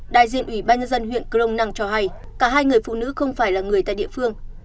đại diện ủy ban nhân dân huyện crong năng cho hay cả hai người phụ nữ không phải là người tại địa phương